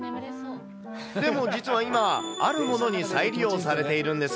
でも実は今、あるものに再利用されているんです。